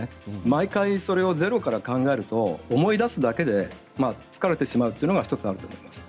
毎回、それをゼロから考えると思い出すだけで疲れてしまうというのが１つあると思います。